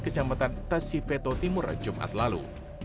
kecamatan tasifeto timur jumat lalu